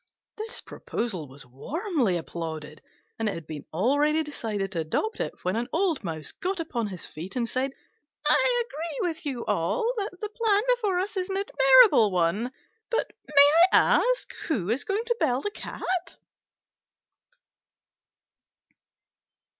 This proposal was warmly applauded, and it had been already decided to adopt it, when an old Mouse got upon his feet and said, "I agree with you all that the plan before us is an admirable one: but may I ask who is going to bell the cat?"